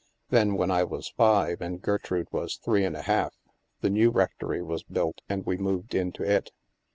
Then, when I was five, and Gertrude was three and a half, the new rectory was built, and we moved into it.